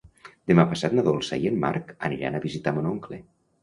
Demà passat na Dolça i en Marc aniran a visitar mon oncle.